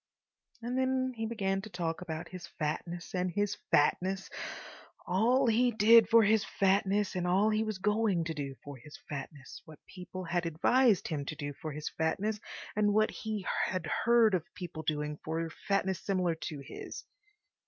And then he began to talk about his fatness and his fatness; all he did for his fatness and all he was going to do for his fatness; what people had advised him to do for his fatness and what he had heard of people doing for fatness similar to his.